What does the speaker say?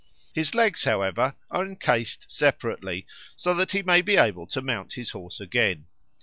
His legs, however, are encased separately, so that he may be able to mount his horse again.